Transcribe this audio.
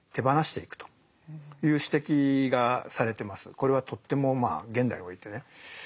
これはとっても現代においてね